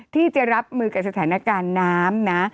ที่จะรับมือกับสถานการณ์น้ำนะ